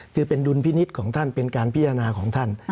คือเป็นดุลพินิษฐ์ของท่านเป็นการพิจารณาของท่าน